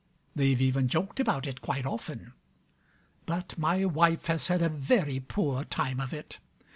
They've even joked about it quite often. But my wife has had a very poor time of it.